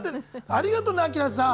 ありがとねアキラさん。